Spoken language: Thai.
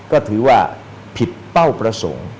ก็ถือว่าผิดเป้าประสงค์